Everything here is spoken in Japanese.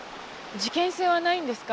事件性はないんですか？